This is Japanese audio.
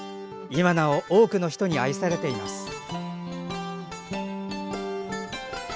今なお多くの人に愛されています。